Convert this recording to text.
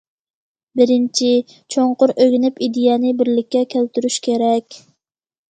بىرىنچى، چوڭقۇر ئۆگىنىپ، ئىدىيەنى بىرلىككە كەلتۈرۈش كېرەك.